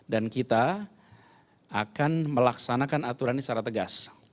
dan kita akan melaksanakan aturan secara tegas